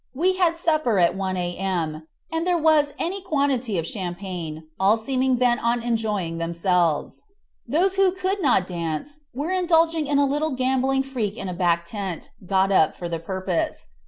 We had supper at 1 a.m., and there was any quantity of champagne, all seeming bent on enjoying themselves. Those who could not dance were indulging in a little gambling freak in a back tent, got up for the purpose.